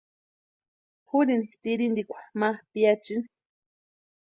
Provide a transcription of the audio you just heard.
Jurini tirhintikwa ma piachiani.